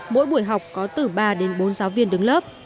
mỗi buổi học có từ ba đến bốn giáo viên đứng lớp